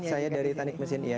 saya dari teknik mesin ya